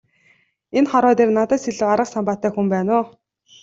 Энэ хорвоо дээр надаас илүү арга самбаатай хүн байна уу?